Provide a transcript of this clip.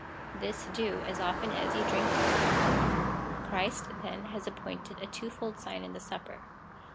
This do, as often as ye drinh. Christ, then, has appointed a two fold sign in the Supper.